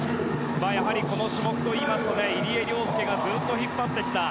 やはり、この種目といいますと入江陵介がずっと引っ張ってきた。